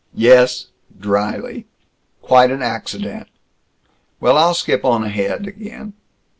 "Yes," dryly, "quite an accident. Well, I'll skip on ahead again.